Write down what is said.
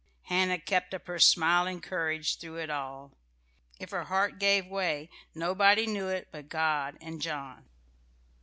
Hannah kept up her smiling courage through it all. If her heart gave way, nobody knew it but God and John.